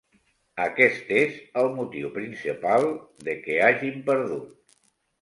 Aquest és el motiu principal de que hàgim perdut.